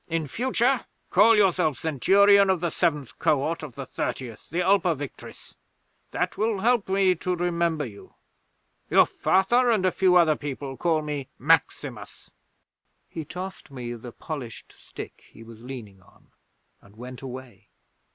In future call yourself Centurion of the Seventh Cohort of the Thirtieth, the Ulpia Victrix. That will help me to remember you. Your Father and a few other people call me Maximus." 'He tossed me the polished stick he was leaning on, and went away.